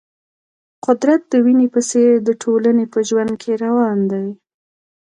قدرت د وینې په څېر د ټولنې په ژوند کې روان دی.